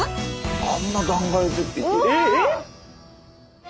あんな断崖絶壁え？え！？